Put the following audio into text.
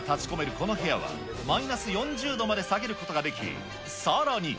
この部屋は、マイナス４０度まで下げることができ、さらに。